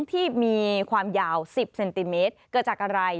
ที่มีความยาว๑๐เซนติเมตรเกิดจากอะไร